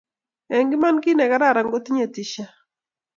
eng' iman kiy ne kararan kotinye tisha